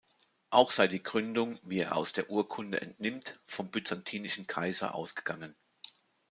Auch sei die Gründung, wie er aus der Urkunde entnimmt, vom byzantinischen Kaiser ausgegangen.